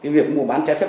việc mua bán trái phép